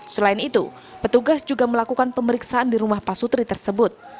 selain itu petugas juga melakukan pemeriksaan di rumah pak sutri tersebut